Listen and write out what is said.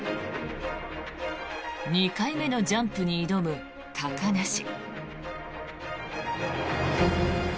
２回目のジャンプに挑む高梨。